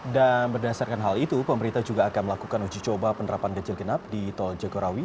dan berdasarkan hal itu pemerintah juga akan melakukan uji coba penerapan ganjil genap di tol jagorawi